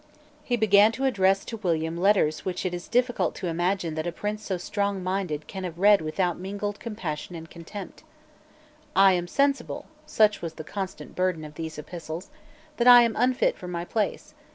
He began to address to William letters which it is difficult to imagine that a prince so strongminded can have read without mingled compassion and contempt. "I am sensible," such was the constant burden of these epistles, "that I am unfit for my place.